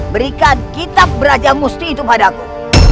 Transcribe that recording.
berikan kitab berajah musti itu padaku